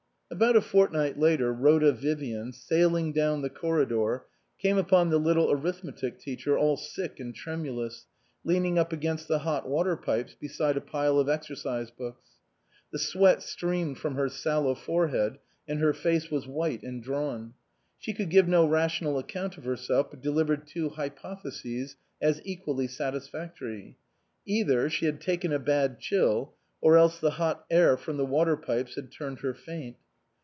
224 iNAUr.rK.vi, LDDRB88BI About M fortnight iMlrr. Rhod. i Vivian, HM.il ing down Mu> corridor, r;im< upon Mm liMlo arithmetic teacher all sick and tremulous, lean ing up against the hot water pipe* l><>side a pile of exercise books. The sweat streamed from her sallow forehead, and her face was white and drawn. She could give no rational account of herself, but offered two hypotheses as equally satisfactory; either she had taken a bad chill, or else the hot air from the water pipes had turned her faint.